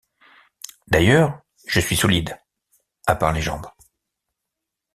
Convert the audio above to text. D’ailleurs, je suis solide, à part les jambes.